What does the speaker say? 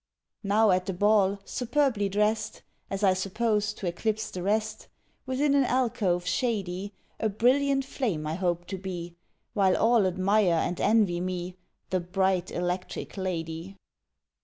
Now at the ball, superbly dressed As I suppose, to eclipse the rest, Within an alcove shady A brilliant flame I hope to be, While all admire and envy me, The "bright electric lady."